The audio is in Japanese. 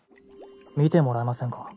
見てもらえませんか？